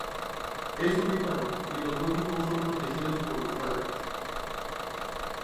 Es ovíparo y los huevos no son protegidos por los padres.